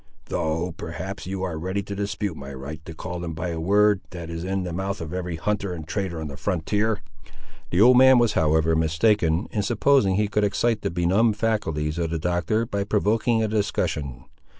Though, perhaps, you are ready to dispute my right to call them by a word, that is in the mouth of every hunter and trader on the frontier!" The old man was however mistaken, in supposing he could excite the benumbed faculties of the Doctor, by provoking a discussion.